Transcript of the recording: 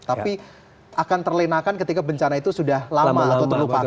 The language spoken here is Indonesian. tapi akan terlenakan ketika bencana itu sudah lama atau terlupakan